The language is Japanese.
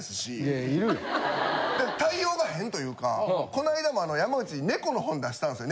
対応が変というかこないだも山内猫の本出したんですよ。